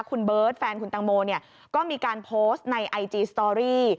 คุณเบิร์ตแฟนคุณตังโมเนี่ยก็มีการโพสต์ในไอจีสตอรี่